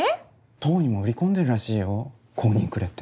党にも売り込んでるらしいよ公認くれって。